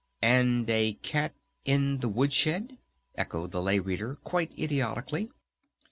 "And a cat in the wood shed?" echoed the Lay Reader quite idiotically.